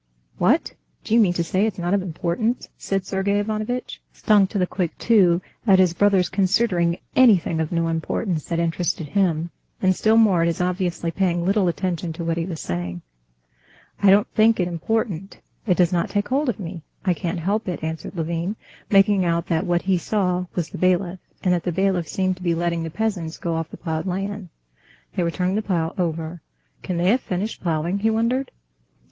"What! do you mean to say it's not of importance?" said Sergey Ivanovitch, stung to the quick too at his brother's considering anything of no importance that interested him, and still more at his obviously paying little attention to what he was saying. "I don't think it important; it does not take hold of me, I can't help it," answered Levin, making out that what he saw was the bailiff, and that the bailiff seemed to be letting the peasants go off the ploughed land. They were turning the plough over. "Can they have finished ploughing?" he wondered.